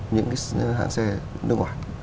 những cái hãng xe nước ngoài